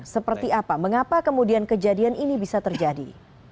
seperti apa mengapa kemudian kejadian ini bisa terjadi